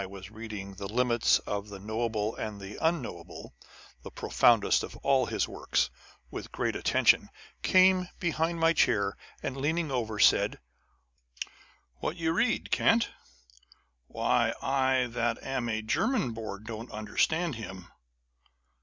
was reading the Limits of the Knowable and the Unknowable, the profoundest of all his works, with great attention, came behind my chair, and leaning over, said, ' What, you read Kant ? Why, I that am a German born, don't under stand him